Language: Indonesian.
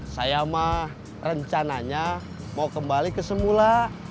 sayang ma rencananya mau kembali kesemula